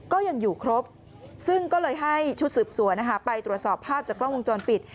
ก็ยังอยู่ครบซึ่งก็เลยให้ชุดสืบสวนไปตรวจสอบภาพจากกล้องวงจรปิด